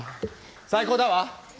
最高だわ！